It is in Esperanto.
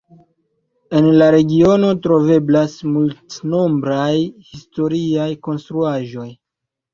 En la regiono troveblas multnombraj historiaj konstruaĵoj.